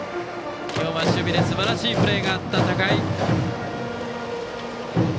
今日は守備ですばらしいプレーがあった高井。